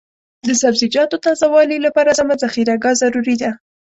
د سبزیجاتو تازه والي لپاره سمه ذخیره ګاه ضروري ده.